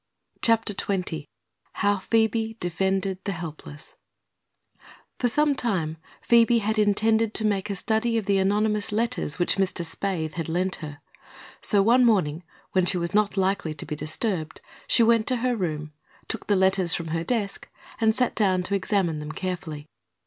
CHAPTER XX HOW PHOEBE DEFENDED THE HELPLESS For some time Phoebe had intended to make a study of the anonymous letters which Mr. Spaythe had lent her, so one morning when she was not likely to be disturbed she went to her room, took the letters from her desk and sat down to examine them carefully.